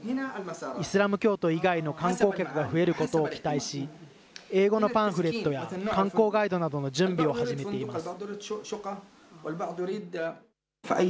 イスラム教徒以外の観光客が増えることを期待し、英語のパンフレットや観光ガイドなどの準備を始めています。